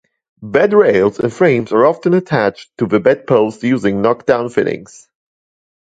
Bed rails and frames are often attached to the bed post using knock-down fittings.